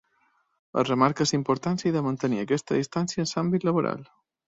Es remarca la importància de mantenir aquesta distància en l’àmbit laboral.